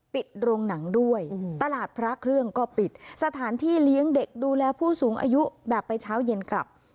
ปิดโรงหนังด้วยตลาดพระเครื่องก็ปิดสถานที่เลี้ยงเด็กดูแลผู้สูงอายุแบบไปเช้าเย็นกลับ